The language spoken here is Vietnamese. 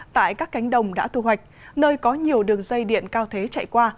tại các cánh đồng đã thu hoạch nơi có nhiều đường dây điện cao thế chạy qua